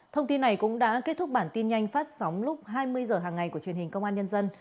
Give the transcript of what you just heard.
thông tin này cũng đã kết thúc bản tin nhanh phát sóng lúc hai mươi h hàng ngày của truyền hình công an nhân dân